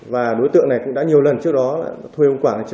và đối tượng này cũng đã nhiều lần trước đó thuê ông quảng